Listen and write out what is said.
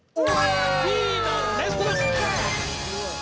「Ｂ」のレストラン。